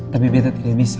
tapi beta tidak bisa